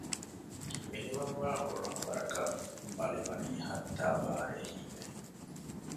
މިނިވަންވާން އުޅުނު ވަރަކަށް މަޅި ވަނީ ހައްތާ ބާރޭ ހީވެ